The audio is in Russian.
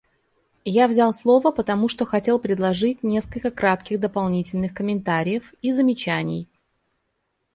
Я взял слово потому, что хотел предложить несколько кратких дополнительных комментариев и замечаний.